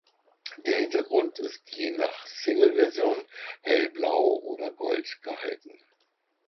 Der Hintergrund ist je nach Singleversion hellblau oder gold gehalten.